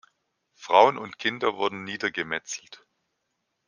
Frauen und Kinder wurden niedergemetzelt.